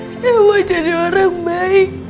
saya mau jadi orang baik